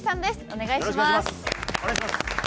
お願いします。